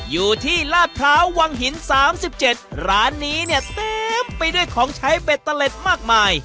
อยู่ที่ลาดพร้าววังหิน๓๗ร้านนี้เนี่ยเต็มไปด้วยของใช้เบ็ดตะเล็ดมากมาย